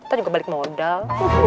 ntar juga balik modal